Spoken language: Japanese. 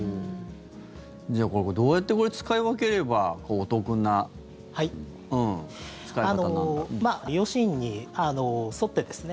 じゃあ、これどうやって使い分ければお得な使い方なのか。